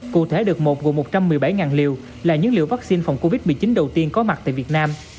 cụ thể được một vụ một trăm một mươi bảy liệu là những liệu vaccine phòng covid một mươi chín đầu tiên có mặt tại việt nam